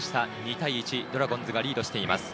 ２対１、ドラゴンズがリードしています。